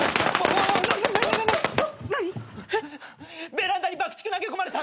ベランダに爆竹投げ込まれた。